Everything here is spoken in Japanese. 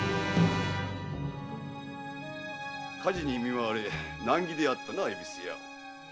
火事にみまわれ難儀であったな恵比寿屋。